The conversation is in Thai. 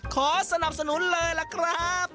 ขอสนับสนุนเลยล่ะครับ